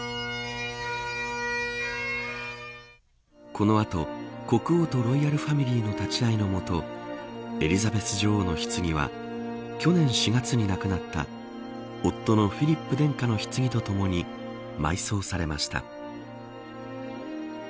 この後、国王とロイヤルファミリーの立ち会いのもとエリザベス女王のひつぎは去年４月に亡くなった夫のフィリップ殿下のひつぎとともに埋葬されました。